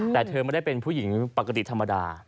แต่เธอไม่ได้เป็นผู้หญิงปกติธรรมดา